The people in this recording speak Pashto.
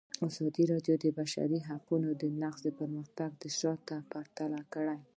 ازادي راډیو د د بشري حقونو نقض پرمختګ او شاتګ پرتله کړی.